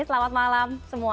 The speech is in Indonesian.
selamat malam semua